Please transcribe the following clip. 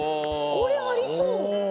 これありそう。